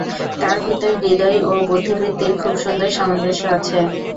তাঁর ভেতর হৃদয় ও বুদ্ধিবৃত্তির খুব সুন্দর সামঞ্জস্য আছে।